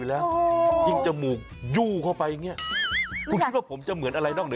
มันจะแกะไหลดีตานี่เอง